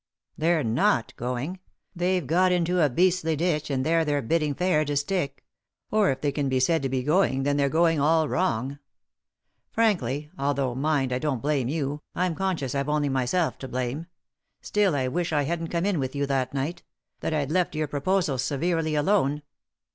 "They're not going; they've got into a beastly ditch, and there they're bidding fair to stick — or, if they 256 3i 9 iii^d by Google THE INTERRUPTED KISS can be said to be going, then they're going all wrong. Frankly — although, mind, I don't blame you, I'm conscious I've only myself to blame — still I wish I hadn't come in with you that night ; that I'd left your proposal severely alone."